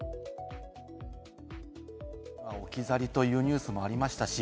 置き去りというニュースもありましたし。